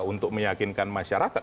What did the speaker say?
untuk meyakinkan masyarakat